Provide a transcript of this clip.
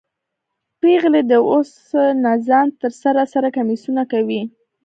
پیغلې د اوس نه ځان ته سره سره کمیسونه کوي